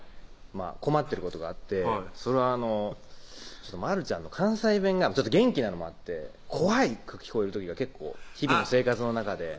困ってることがあってそれはまるちゃんの関西弁が元気なのもあって怖く聞こえる時が結構日々の生活の中で関東の方はね怖いですよね